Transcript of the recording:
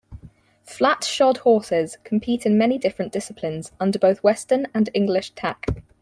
Flat-shod horses compete in many different disciplines under both western and English tack.